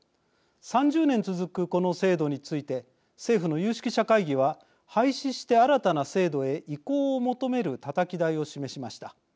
３０年続くこの制度について政府の有識者会議は廃止して新たな制度へ移行を求めるたたき台を示しました。